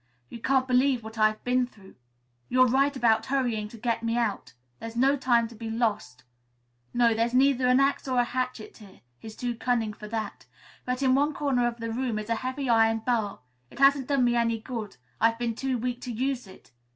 "You can't believe what I've been through. You're right about hurrying to get me out. There's no time to be lost. No, there's neither an axe or a hatchet here. He's too cunning for that. But in one corner of the room is a heavy iron bar. It hasn't done me any good. I've been too weak to use it.